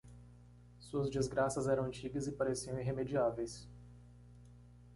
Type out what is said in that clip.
Suas desgraças eram antigas e pareciam irremediáveis.